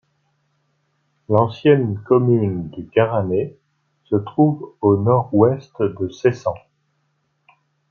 L'ancienne commune du Garrané se trouve au nord-ouest de Seissan.